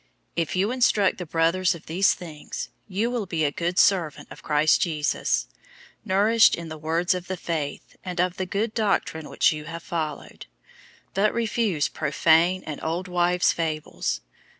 004:006 If you instruct the brothers of these things, you will be a good servant of Christ Jesus, nourished in the words of the faith, and of the good doctrine which you have followed. 004:007 But refuse profane and old wives' fables.